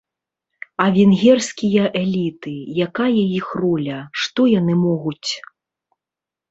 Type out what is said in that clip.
А венгерскія эліты, якая іх роля, што яны могуць?